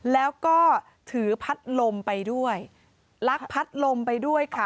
แล้วก็ถือพัดลมไปด้วยลักพัดลมไปด้วยค่ะ